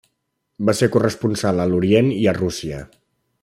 Va ser corresponsal a l’Orient i a Rússia.